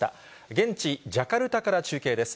現地ジャカルタから中継です。